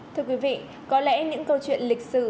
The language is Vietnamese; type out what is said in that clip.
thưa quý vị có lẽ những câu chuyện lịch sử